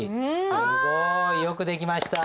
すごい。よくできました。